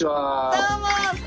どうも！